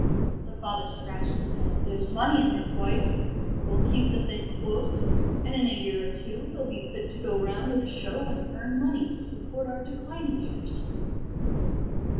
The father scratched his head. "There's money in this, wife. We'll keep the thing close; and in a year or two he'll be fit to go round in a show and earn money to support our declining years."